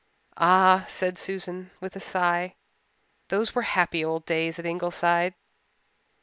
Ah," said Susan with a sigh, "those were happy old days at Ingleside."